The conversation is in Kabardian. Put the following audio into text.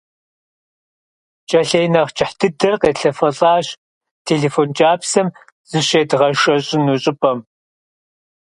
ПкӀэлъей нэхъ кӀыхь дыдэр къетлъэфэлӀащ телефон кӀапсэм зыщедгъэшэщӀыну щӀыпӀэм.